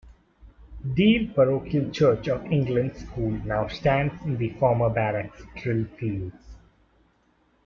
Deal Parochial Church of England School now stands in the former barracks' Drill Fields.